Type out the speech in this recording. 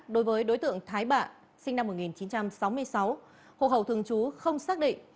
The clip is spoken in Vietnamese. đối với đối tượng thái bạ sinh năm một nghìn chín trăm sáu mươi sáu hồ hậu thường chú không xác định